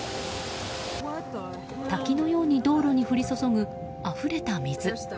滝のように道路に降り注ぐあふれた水。